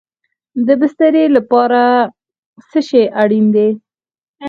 د بسترې لپاره څه شی اړین دی؟